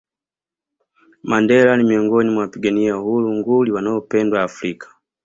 Mandela ni miongoni mwa wapigania uhuru nguli wanaopendwa Afrika